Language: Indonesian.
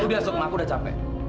udah aku udah capek